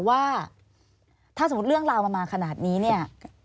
ว่าถ้าสมมติเรื่องราวมาขนาดนี้